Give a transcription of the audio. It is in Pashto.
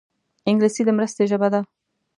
انګلیسي د مرستې ژبه ده